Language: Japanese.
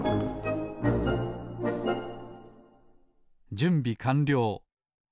じゅんびかんりょう。